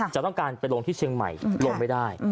จะต้องการไปลงที่เชียงใหม่ลงไม่ได้